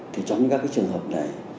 thì trong những trường hợp này